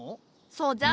そうじゃ。